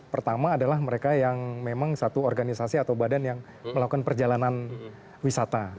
pertama adalah mereka yang memang satu organisasi atau badan yang melakukan perjalanan wisata